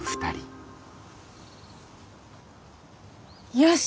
よし！